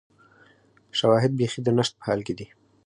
شواهد بیخي د نشت په حال کې دي